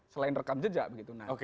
selain rekam jejak